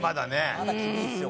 まだ厳しいっすよ